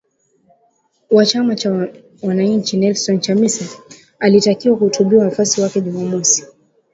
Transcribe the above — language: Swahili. wa chama cha wananchi Nelson Chamisa alitakiwa kuhutubia wafuasi wake Jumamosi